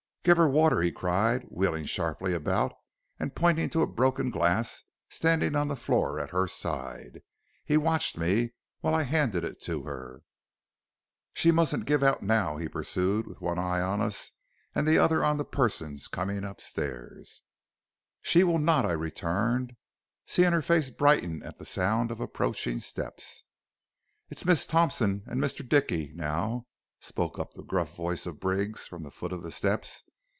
"'Give her water,' he cried, wheeling sharply about. And pointing to a broken glass standing on the floor at her side, he watched me while I handed it to her. "'She mus'n't give out now,' he pursued, with one eye on us and the other on the persons coming upstairs. "'She will not,' I returned, seeing her face brighten at the sound of approaching steps. "'It's Miss Thompson and Mr. Dickey,' now spoke up the gruff voice of Briggs from the foot of the steps.